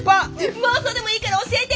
妄想でもいいから教えて！